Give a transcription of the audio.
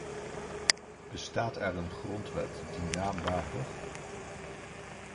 Bestaat er een grondwet die naam waardig?